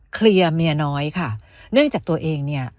เคลียร์เมียน้อยค่ะเนื่องจากตัวเองเนี่ย